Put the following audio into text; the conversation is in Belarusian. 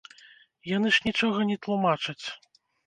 Яны ж нічога не тлумачаць!